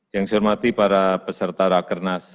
yang saya hormati para peserta rakernas